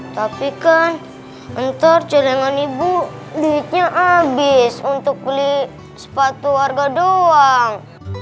tapi kan ntar celengan ibu duitnya abis untuk beli sepatu warga doang